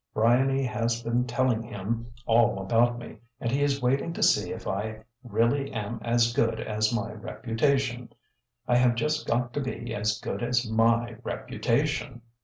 Bryany has been telling him all about me, and he is waiting to see if I really am as good as my reputation. I have just got to be as good as my reputation!"